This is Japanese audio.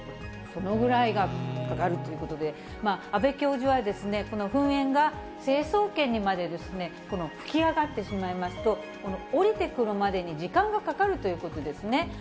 そのぐらいが上がるということで、阿部教授は、この噴煙が成層圏にまでこの噴き上がってしまいますと、降りてくるまでに時間がかかるということですね。